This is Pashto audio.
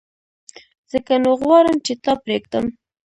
ځکه نو غواړم چي تا پرېږدم !